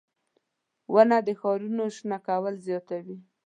• ونه د ښارونو شنه کول زیاتوي.